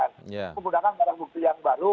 menggunakan barang bukti yang baru